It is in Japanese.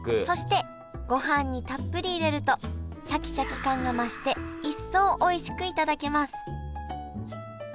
そしてごはんにたっぷり入れるとシャキシャキ感が増して一層おいしくいただけます